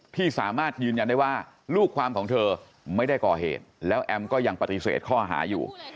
ที่สามารถยืนยันได้ว่าลูกความของเธอไม่ได้ก่อเหตุแล้วแอมก็ยังปฏิเสธข้อหาอยู่